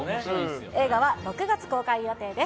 映画は６月公開予定です。